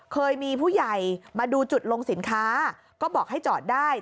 เคยมีผู้ใหญ่มาดูจุดลงสินค้าก็บอกให้จอดได้